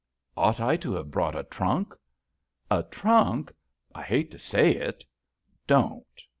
"Ought I to have brought a trunk?" "A trunk? I hate to say it." "Don't."